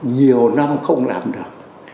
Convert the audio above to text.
nhiều năm không làm được